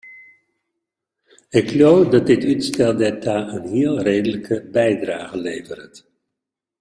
Ik leau dat dit útstel dêrta in heel reedlike bydrage leveret.